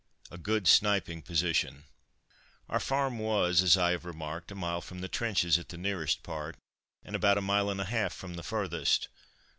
A GOOD SNIPING POSITION Our farm was, as I have remarked, a mile from the trenches at the nearest part, and about a mile and a half from the furthest.